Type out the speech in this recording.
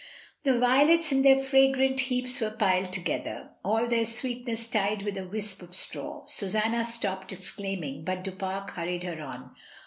The violets in their fragrant heaps were piled together, all their sweetness tied with a wisp of straw. Susaima stopped, exclaiming, but Du Pare hurried her on.